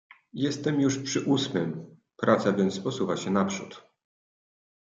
"Jestem już przy ósmym, praca więc posuwa się naprzód."